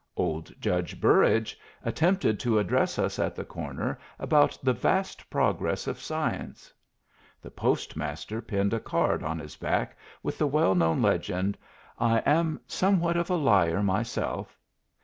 Old Judge Burrage attempted to address us at the corner about the vast progress of science. The postmaster pinned a card on his back with the well known legend, "I am somewhat of a liar myself."